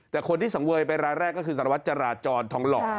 แต่คนที่สังเวยไปรายแรกก็คือสารวัตรจราจรทองหล่อ